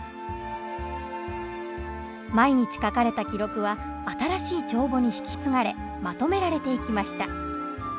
毎日書かれた記録は新しい帳簿に引き継がれまとめられていきました。